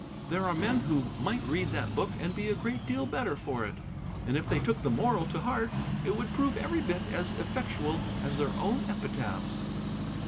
There are men who might read that book and be a great deal better for it. And, if they took the moral to heart, it would prove every bit as effectual as their own epitaphs."